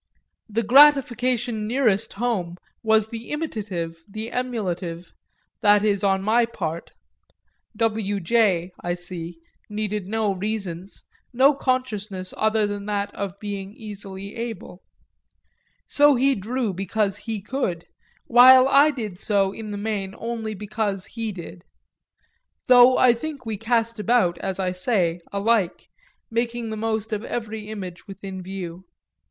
The gratification nearest home was the imitative, the emulative that is on my part: W. J., I see, needed no reasons, no consciousness other than that of being easily able. So he drew because he could, while I did so in the main only because he did; though I think we cast about, as I say, alike, making the most of every image within view.